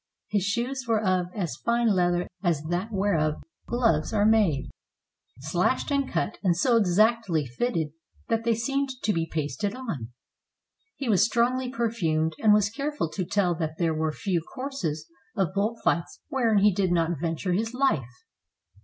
His shoes were of as fine leather as that whereof gloves are made, slashed and cut, and so exactly fitted that they seemed to be pasted on. He was strongly perfumed, and was careful to tell that there were few courses of bull fights wherein he did not venture his life."